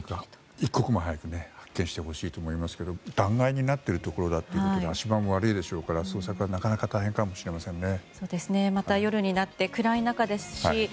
一刻も早く発見してほしいと思いますが断崖になっているところだということで足場も悪いでしょうから捜索は、なかなか大変かもしれませんね。